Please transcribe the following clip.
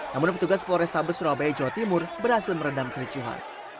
namun petugas polrestabes surabaya jawa timur berhasil meredam kericuhan